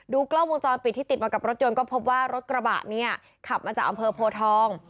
กล้องวงจรปิดที่ติดมากับรถยนต์ก็พบว่ารถกระบะเนี่ยขับมาจากอำเภอโพทอง